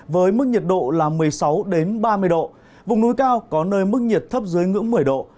với mức nhiệt độ là một mươi sáu ba mươi độ vùng núi cao có nơi mức nhiệt thấp dưới ngưỡng một mươi độ